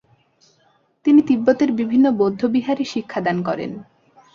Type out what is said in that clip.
তিনি তিব্বতের বিভিন্ন বৌদ্ধবিহারে শিক্ষাদান করেন।